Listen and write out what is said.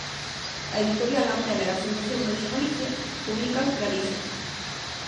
A editorial Antela e a Fundación Caixa Galicia publican Galicia.